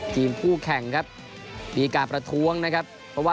ทีมผู้แข่งครับ